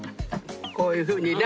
こういうふうにな。